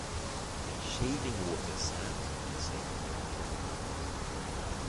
‘Shaving-water, Sam,’ he said, from within the curtains.